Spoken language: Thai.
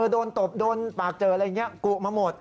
ตบโดนปากเจออะไรอย่างนี้กุมาหมด